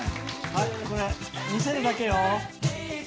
これ、見せるだけよ。